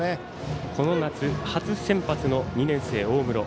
この夏、初先発の２年生、大室。